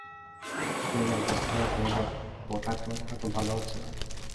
কৈলাস ব্যস্ত হইয়া কহিল, বউঠাকরুন, ওটা তো ভালো হচ্ছে না।